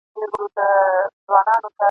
سترګي چي مي پټي سي مالِک د تاج محل یمه !.